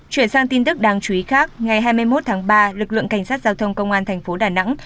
chuyển sang tin tức đáng chú ý khác ngày hai mươi một tháng ba lực lượng cảnh sát giao thông công an thành phố đà nẵng